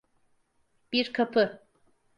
Bir kapı.